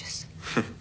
フッ。